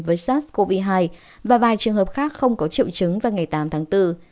với sars cov hai và vài trường hợp khác không có triệu chứng vào ngày tám tháng bốn